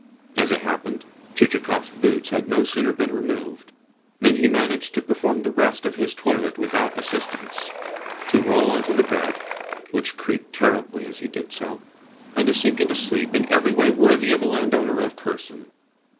As it happened, Chichikov's boots had no sooner been removed than he managed to perform the rest of his toilet without assistance, to roll on to the bed (which creaked terribly as he did so), and to sink into a sleep in every way worthy of a landowner of Kherson.